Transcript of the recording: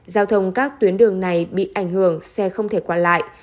giao thông các tuyến đường này bị ảnh hưởng xe không thể qua lại